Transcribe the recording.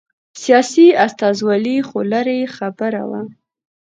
سیاسي استازولي خو لرې خبره وه.